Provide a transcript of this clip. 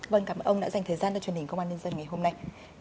vâng cảm ơn ông đã dành thời gian cho truyền hình công an nhân dân ngày hôm nay